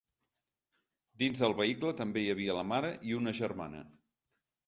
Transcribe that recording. Dins del vehicle també hi havia la mare i una germana.